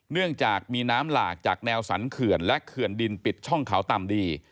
เนื่องจากมีน้ำหลากจากแนวสันเขื่อนและเขื่อนดินปิดช่องเขาต่ำดี